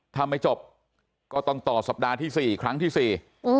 ถ้าไม่จบก็ต้องต่อสัปดาห์ที่สี่ครั้งที่สี่